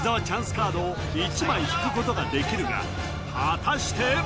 カードを１枚引くことができるが果たして！？